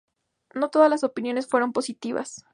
No todas las opiniones fueron positivas.